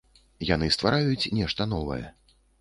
Яны ствараюць нешта новае.